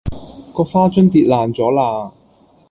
嗰花樽跌爛咗啦